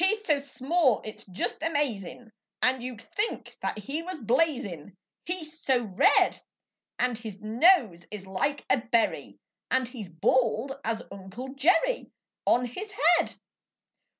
"] He's so small, it's just amazin', And you 'd think that he was blazin', He's so red; And his nose is like a berry, And he's bald as Uncle Jerry On his head.